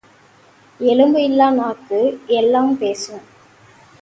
எலும்பு இல்லா நாக்கு எல்லாம் பேசும்.